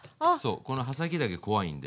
この刃先だけ怖いんで。